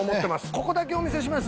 ここだけお見せします。